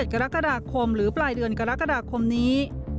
กรกฎาคมหรือปลายเดือนกรกฎาคมนี้